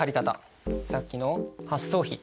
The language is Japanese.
さっきの発送費。